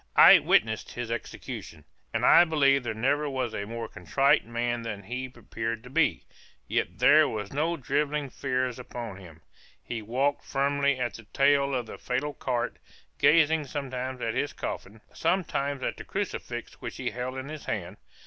I witnessed his execution, and I believe there never was a more contrite man than he appeared to be; yet there were no drivelling fears upon him he walked firmly at the tail of the fatal cart, gazing sometimes at his coffin, sometimes at the crucifix which he held in his hand.